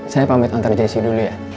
saya pamit antar jessi dulu ya